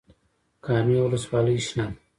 کامې ولسوالۍ شنه ده؟